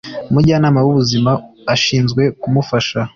umujyanama w'ubuzima ashinzwe kumufasha